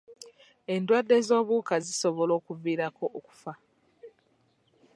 Endwadde z'obuwuka zisobola okuviirako okufa.